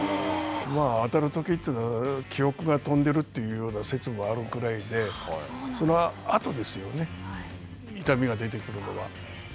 当たるときは記憶が飛んでるというような説もあるくらいで、そのあとですよね、痛みが出てくるのは。